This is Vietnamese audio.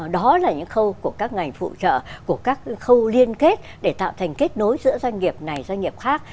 đó là những khâu của các ngành phụ trợ của các khâu liên kết để tạo thành kết nối giữa doanh nghiệp này doanh nghiệp khác